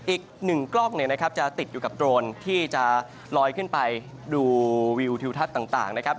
อีก๑กล้องเนี่ยนะครับจะติดอยู่กับโรนที่จะลอยขึ้นไปดูวิวทิวทัศน์ต่างนะครับ